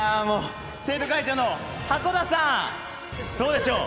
生徒会長の箱田さん、どうでしょう。